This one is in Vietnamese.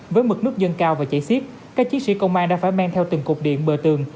với mực nước dân cao và chảy xiết các chiến sĩ công an đã phải men theo từng cột điện bờ tường